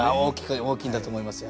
大きいんだと思いますよ。